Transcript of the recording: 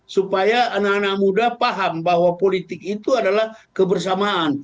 supaya anak anak muda paham bahwa politik itu adalah kebersamaan